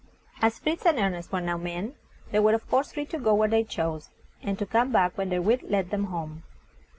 As Fritz and Ernest were now men, they were of course free to go where they chose, and to come back when their will led them home.